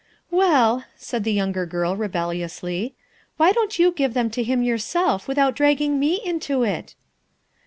" Well," said the younger girl rebelliously, " why didn't you give them to him yourself without dragging me into it?"